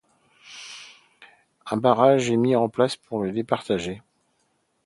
Un barrage est mis en place pour les départager.